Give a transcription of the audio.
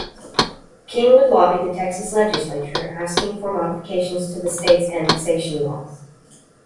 Kingwood lobbied the Texas Legislature, asking for modifications to the state's annexation laws.